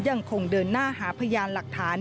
ยังคงเดินหน้าหาพยานหลักฐาน